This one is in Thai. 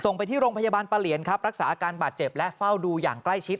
ไปที่โรงพยาบาลปะเหลียนครับรักษาอาการบาดเจ็บและเฝ้าดูอย่างใกล้ชิด